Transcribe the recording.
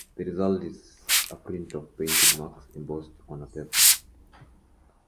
The result is a print of painted marks embossed into the paper.